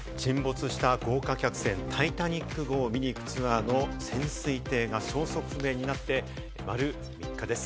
沈没した豪華客船タイタニック号を見に行くツアーの潜水艇が消息不明になって丸３日です。